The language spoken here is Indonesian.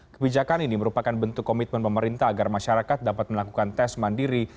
kebijakan ini merupakan bentuk komitmen pemerintah agar masyarakat dapat melakukan tes mandiri